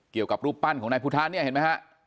เกี่ยวกับรูปปั้นของนายพุทธะเนี่ยเห็นไหมฮะ